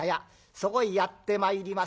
そこにやってまいります。